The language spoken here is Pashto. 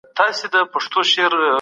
موږ بايد د خپلو کړنو ځواب ووايو.